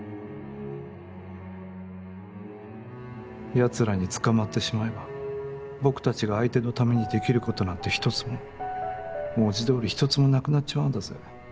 やつらに捕まってしまえば僕たちが相手のためにできることなんて一つも文字どおり一つもなくなっちまうんだぜ？